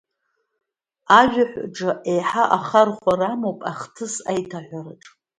Ажәаҳәаҿы еиҳа ахархәара амоуп ахҭыс аиҭаҳәараҿы.